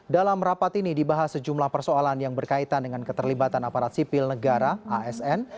dalam rapat ini dibahas sejumlah persoalan yang berkaitan dengan keterlibatan aparat sipil negara asn